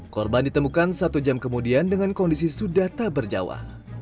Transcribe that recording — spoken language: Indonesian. korban ditemukan satu jam kemudian dengan kondisi sudah tak berjawa